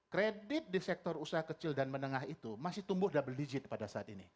kredit di sektor usaha kecil dan menengah itu masih tumbuh double digit pada saat ini